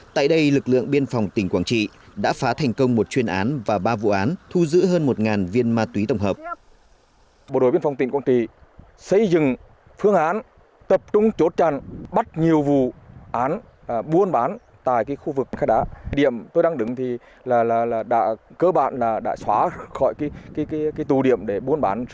tại đây lực lượng biên phòng tỉnh quảng trị đã phá thành công một chuyên án và ba vụ án thu giữ hơn một viên ma túy tổng hợp